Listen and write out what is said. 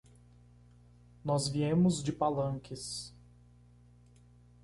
Nós viemos de Palanques.